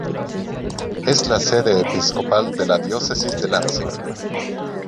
Es la sede episcopal de la Diócesis de Lansing.